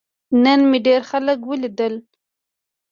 نن مې ډیر خلک ولیدل.